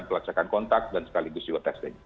pelacakan kontak dan sekaligus juga testing